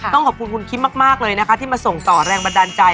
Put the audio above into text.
ต้องขอบคุณคุณคิมมากเลยนะคะที่มาส่งต่อแรงบันดาลใจ